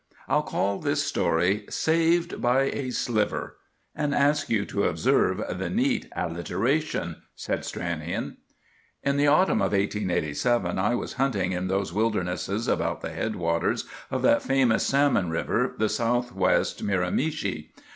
"I'll call this story— 'SAVED BY A SLIVER,' and ask you to observe the neat alliteration," said Stranion. "In the autumn of 1887 I was hunting in those wildernesses about the headwaters of that famous salmon river, the south west Miramichi.